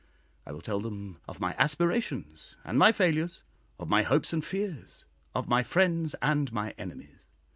I will tell them of my aspirations and my failures of my hopes and fears, of my friends and my enemies.